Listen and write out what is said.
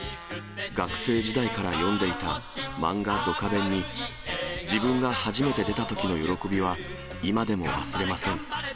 学生時代から読んでいた漫画、ドカベンに、自分が初めて出たときの喜びは、今でも忘れません。